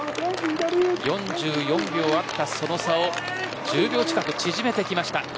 ４４秒あったその差を１０秒近く、縮めてきました。